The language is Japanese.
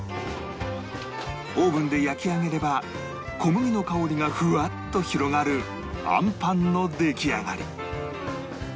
オーブンで焼き上げれば小麦の香りがふわっと広がるあんパンの出来上がり